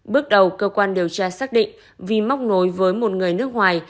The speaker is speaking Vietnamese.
bước đầu cơ quan điều tra xác định vi móc nối với một người nước ngoài